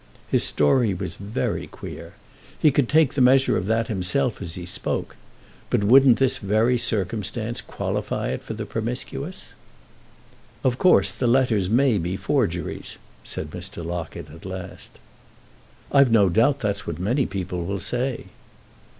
His story was very queer; he could take the measure of that himself as he spoke; but wouldn't this very circumstance qualify it for the Promiscuous? "Of course the letters may be forgeries," said Mr. Locket at last. "I've no doubt that's what many people will say."